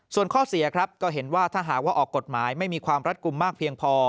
ส่วนข้อเสียครับก็เห็นว่าถ้าหากว่าออกกฎหมายไม่มีความรัดกลุ่มมากเพียงพอ